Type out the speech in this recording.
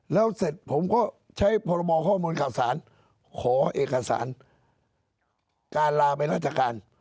แล้วเสร็จผมก็ใช้พรบข้อมูลข่าวสารขอเอกสารการลาไปราชการ